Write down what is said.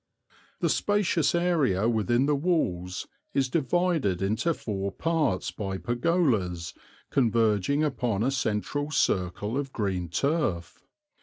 The spacious area within the walls is divided into four parts by pergolas converging upon a central circle of green turf.